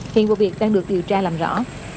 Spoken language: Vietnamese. hiện vụ việc đang được điều tra làm rõ